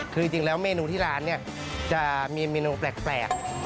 คือจริงแล้วเมนูที่ร้านเนี่ยจะมีเมนูแปลก